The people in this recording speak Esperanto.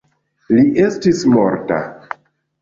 Li estis morta.